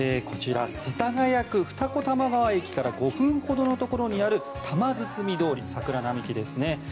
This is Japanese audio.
こちら世田谷区二子玉川駅から５分ほどのところにある多摩堤通り、桜並木ですね。